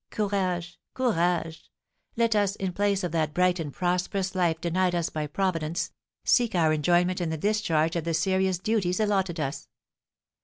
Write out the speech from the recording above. Courage! Courage! Let us, in place of that bright and prosperous life denied us by Providence, seek our enjoyment in the discharge of the serious duties allotted us.